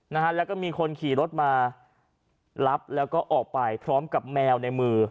นะฮะแล้วก็มีคนขี่รถมารับแล้วก็ออกไปพร้อมกับแมวในมือ